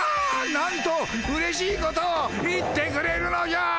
なんとうれしいことを言ってくれるのじゃ！